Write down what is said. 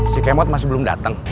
si kemot masih belum datang